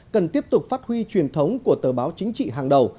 cần tiếp tục phát huy truyền thống của tờ báo chính trị hàng đầu